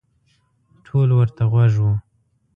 ټول ورته غوږ وو.